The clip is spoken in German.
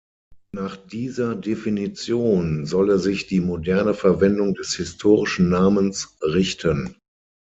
Nach dieser Definition solle sich die moderne Verwendung des historischen Namens richten.